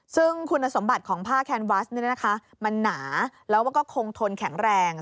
ซึ่งคุณสมบัติของผ้าแคนวัสมันหนาแล้วมันก็คงทนแข็งแรง